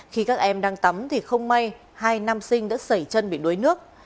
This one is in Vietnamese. khi các em đang tắm thì không may hai nam sinh đã sẩy chân bị đuối nước